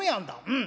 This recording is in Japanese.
うん。